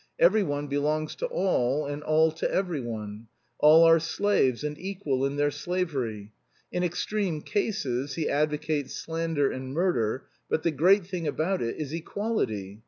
Every one belongs to all and all to every one. All are slaves and equal in their slavery. In extreme cases he advocates slander and murder, but the great thing about it is equality.